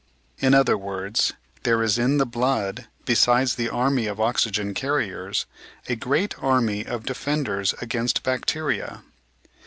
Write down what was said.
In other words, there is in the blood, besides the army of oxygen carriers, a great army of defenders against bacteria.